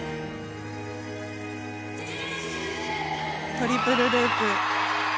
トリプルループ。